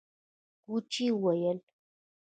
کوچي وويل: